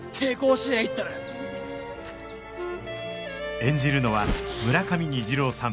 演じるのは村上虹郎さん